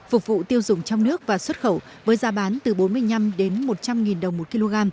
phục vụ tiêu dùng trong nước và xuất khẩu với giá bán từ bốn mươi năm một trăm linh đồng một kg